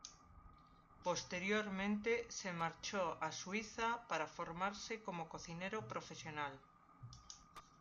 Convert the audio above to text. Posteriormente se marchó a Suiza para formarse como cocinero profesional.